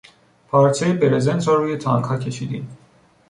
پارچهی برزنت را روی تانکها کشیدیم.